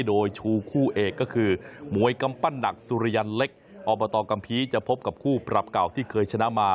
โดยชูคู่เอกก็คือมวยกำปั้นหนักสุริยันเล็กอบตกัมภีร์จะพบกับคู่ปรับเก่าที่เคยชนะมา